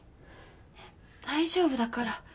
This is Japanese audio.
大丈夫だから。